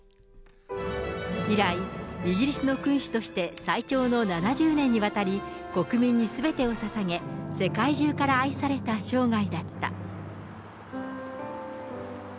以来、イギリスの君主として最長の７０年にわたり、国民にすべてをささげ、世界中から愛された生涯だった。